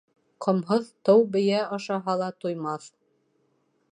Ҡомһоҙ тыу бейә ашаһа ла туймаҫ.